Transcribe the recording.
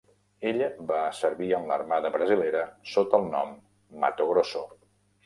Ella va servir en l'Armada brasilera sota el nom "Mato Grosso".